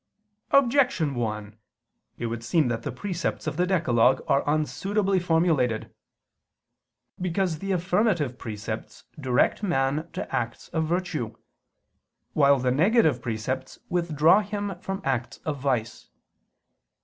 Objection 1: It would seem that the precepts of the decalogue are unsuitably formulated. Because the affirmative precepts direct man to acts of virtue, while the negative precepts withdraw him from acts of vice.